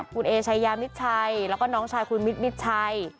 คุณเอชายามิดชัยแล้วก็น้องชายคุณมิดมิดชัย